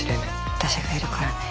私がいるからね。